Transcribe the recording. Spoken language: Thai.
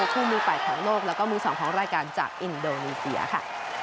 คู่มือ๘ของโลกแล้วก็มือ๒ของรายการจากอินโดนีเซียค่ะ